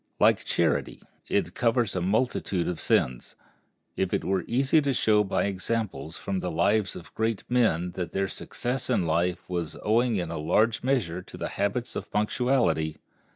Like charity, it covers a multitude of sins. It were easy to show by examples from the lives of great men that their success in life was owing in a large measure to their habits of punctuality.